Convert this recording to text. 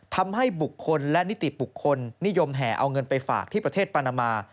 ทำให้บุคคลและนิติบุคคลนิยมแห่เอาเงินไปฝากที่ประเทศปานามา